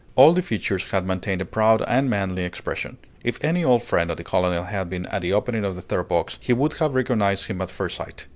All the features had maintained a proud and manly expression. If any old friend of the colonel had been at the opening of the third box, he would have recognized him at first sight.